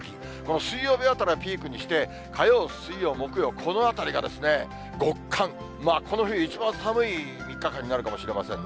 水曜日あたりをピークにして、火曜、水曜、木曜、このあたりが極寒、この冬一番寒い３日間になるかもしれませんね。